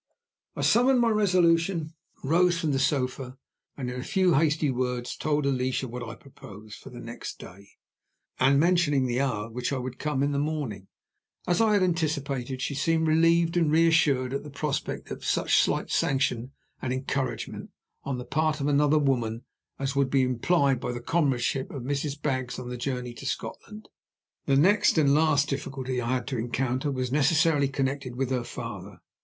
I summoned my resolution, rose from the sofa, and in a few hasty words told Alicia what I proposed for the next day, and mentioned the hour at which I would come in the morning. As I had anticipated, she seemed relieved and reassured at the prospect even of such slight sanction and encouragement, on the part of another woman, as would be implied by the companionship of Mrs. Baggs on the journey to Scotland. The next and last difficulty I had to encounter was necessarily connected with her father.